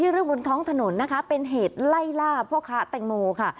เรื่องบนท้องถนนนะคะเป็นเหตุไล่ล่าพ่อค้าแตงโมค่ะ